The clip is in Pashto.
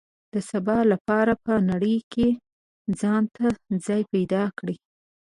د سبا لپاره په نړۍ کې ځان ته ځای پیدا کړي.